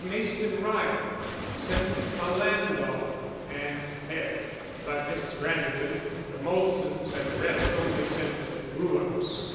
Mayston Ryle sent a landau and pair, but Mrs. Branderton, the Molsons, and the rest, only sent broughams.